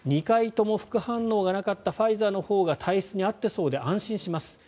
２回とも副反応がなかったファイザーのほうが体質に合っていそうで安心します。